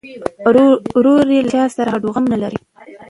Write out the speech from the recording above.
ورور یې له چا سره هډوغم نه لري.